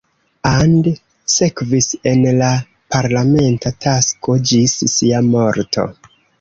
And sekvis en la parlamenta tasko ĝis sia morto.